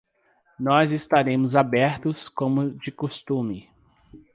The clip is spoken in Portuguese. Nós estaremos abertos como de costume.